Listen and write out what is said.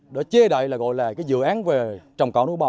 đó chê đậy là gọi là cái dự án về trồng cỏ núi bò